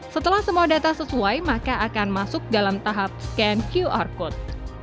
setelah semua data sesuai maka akan masuk dalam tahap scan qr code